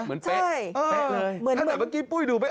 เหมือนเป๊ะอื้อ